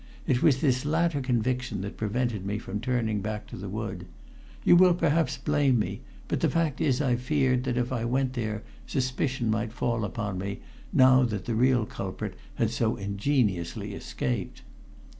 It was this latter conviction that prevented me from turning back to the wood. You will perhaps blame me, but the fact is I feared that if I went there suspicion might fall upon me, now that the real culprit had so ingeniously escaped.